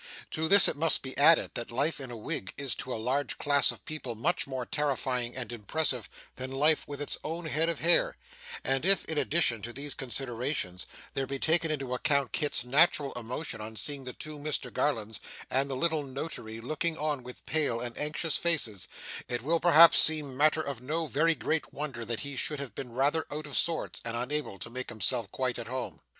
To this, it must be added, that life in a wig is to a large class of people much more terrifying and impressive than life with its own head of hair; and if, in addition to these considerations, there be taken into account Kit's natural emotion on seeing the two Mr Garlands and the little Notary looking on with pale and anxious faces, it will perhaps seem matter of no very great wonder that he should have been rather out of sorts, and unable to make himself quite at home.